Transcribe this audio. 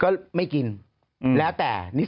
ก็ไม่กินแล้วแต่นี่